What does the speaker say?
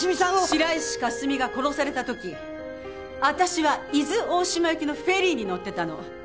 白石佳澄が殺された時私は伊豆大島行きのフェリーに乗ってたの。